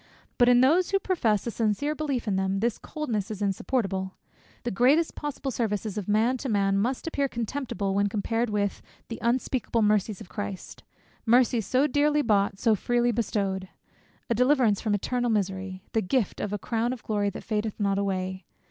But in those who profess a sincere belief in them, this coldness is insupportable. The greatest possible services of man to man must appear contemptible, when compared with "the unspeakable mercies of Christ:" mercies so dearly bought, so freely bestowed A deliverance from eternal misery The gift of "a crown of glory, that fadeth not away."